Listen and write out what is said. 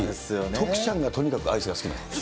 徳ちゃんがとにかくアイスが好きなんだって。